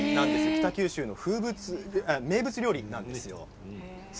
北九州の名物料理なんですよ。